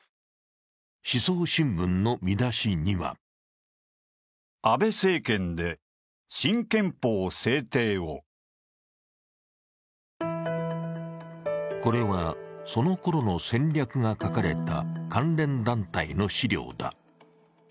思想新聞の見出しにはこれはそのころの戦略が書かれた関連団体の資料だ。